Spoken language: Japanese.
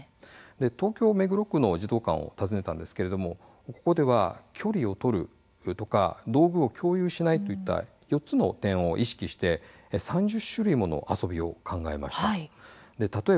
東京・目黒区の児童館を訪ねたんですがここでは「距離を取る」とか「道具を共有しない」という４点を意識して３０種の遊びを考えました。